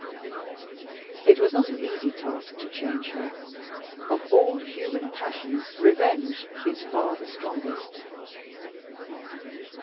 It was not an easy task to change her. Of all human passions revenge is far the strongest.